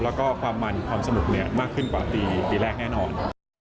แล้วก็ความมันความสนุกมากขึ้นกว่าปีแรกแน่นอน